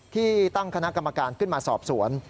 ที่ตั้งคณะกรรมการขึ้นมาสอบสวน